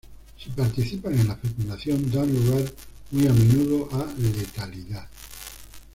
Si participan en la fecundación, dan lugar muy a menudo a letalidad.